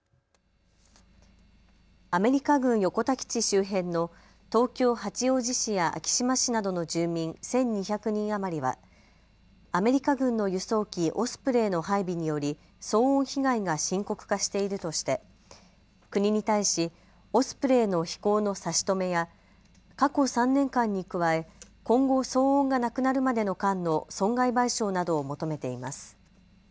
アメリカ軍横田基地周辺の東京八王子市や昭島市などの住民１２００人余りはアメリカ軍の輸送機、オスプレイの配備により騒音被害が深刻化しているとして国に対しオスプレイの飛行の差し止めや過去３年間に加え今後、騒音がなくなるまでの間の損害賠償などを求めています。